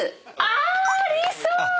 あありそう！